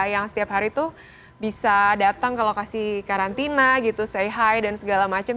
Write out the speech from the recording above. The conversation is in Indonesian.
yang setiap hari tuh bisa datang ke lokasi karantina gitu say hi dan segala macam